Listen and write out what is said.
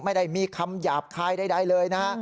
ไม่ได้มีคำหยาบคายใดเลยนะฮะ